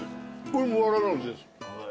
これもわらびもちです。